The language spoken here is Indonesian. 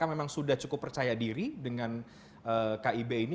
memang sudah cukup percaya diri dengan kib ini